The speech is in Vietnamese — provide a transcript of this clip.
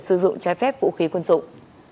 sử dụng trái phép vũ khí quân dụng